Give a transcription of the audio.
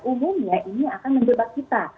umumnya ini akan menjebak kita